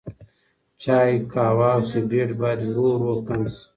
چای، قهوه او سګرټ باید ورو ورو کم شي.